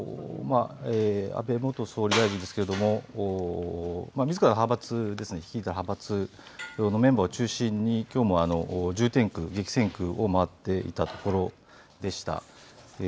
安倍元総理大臣ですがみずからの派閥のメンバーを中心にきょうも重点区、激戦区を回っていたところでした。